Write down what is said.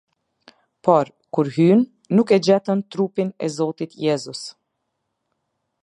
Por, kur hynë, nuk e gjetën trupin e Zotit Jezus.